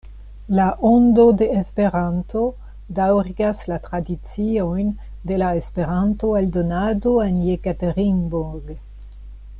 La Ondo de Esperanto daŭrigas la tradiciojn de la esperanto-eldonado en Jekaterinburg.